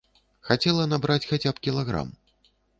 Хацела набраць хаця б кілаграм.